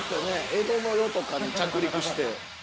江戸の世とかに着陸して。